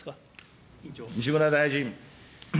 西村大臣。